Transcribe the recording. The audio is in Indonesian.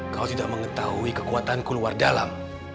kau tidak mengetahui kekuatanku luar dalam